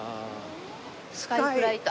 スカイフライト。